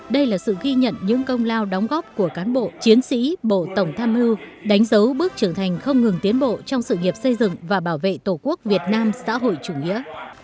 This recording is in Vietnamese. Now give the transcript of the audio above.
đây là sự ghi nhận những công lao đóng góp của cán bộ chiến sĩ bộ tổng tham mưu đánh dấu bước trưởng thành không ngừng tiến bộ trong sự nghiệp xây dựng và bảo vệ tổ quốc việt nam xã hội chủ nghĩa